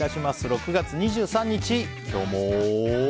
６月２３日、今日も。